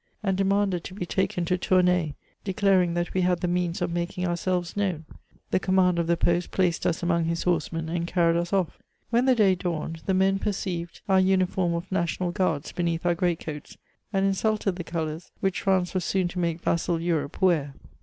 and demanded to be taken to Toumay, declaring that we had the means of making ourselves known. The conunander of the post placed us among his horsemen and car ried us offl When the day dawned, the men perceived our uniform of 2c2 334 MEMOIBS OE nadonal guards beneath our great coats, and insulted the colours which France was soon to make vassal £ur(n)e wear.